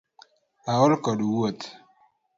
Aol kod wuotho